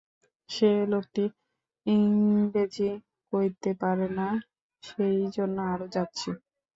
সে লোকটি ইংরেজী কইতে পারে না, সেই জন্য আরও যাচ্ছি।